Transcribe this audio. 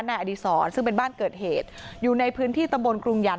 อดีศรซึ่งเป็นบ้านเกิดเหตุอยู่ในพื้นที่ตำบลกรุงยัน